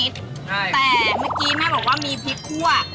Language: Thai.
แต่เมื่อกี้แม่บอกว่ามีพริกคั่ว